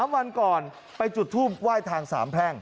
๓วันก่อนไปจุดทูปไหว้ทางสามแพร่ง